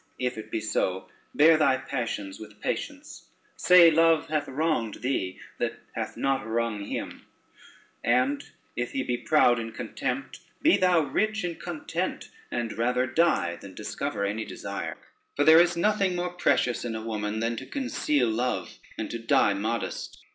If it be so, bear thy passions with patience; say Love hath wronged thee, that hath not wrung him; and if he be proud in contempt, be thou rich in content, and rather die than discover any desire: for there is nothing more precious in a woman than to conceal love and to die modest.